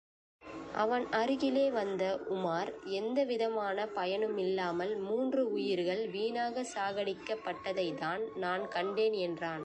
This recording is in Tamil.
அவன் அருகிலே வந்த உமார், எந்தவிதமான பயனுமில்லாமல், மூன்று உயிர்கள் வீணாகச் சாகடிக்கப்பட்டதைதான் நான் கண்டேன் என்றான்.